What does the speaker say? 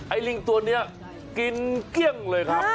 ลิงตัวนี้กินเกลี้ยงเลยครับ